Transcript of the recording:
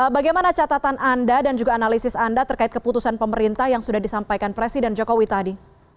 bagaimana catatan anda dan juga analisis anda terkait keputusan pemerintah yang sudah disampaikan presiden jokowi tadi